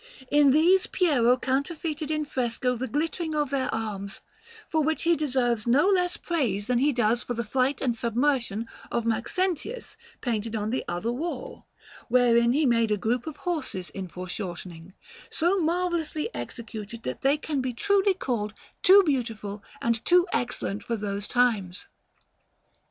In these Piero counterfeited in fresco the glittering of their arms, for which he deserves no less praise than he does for the flight and submersion of Maxentius painted on the other wall, wherein he made a group of horses in foreshortening, so marvellously executed that they can be truly called too beautiful and too excellent for those times.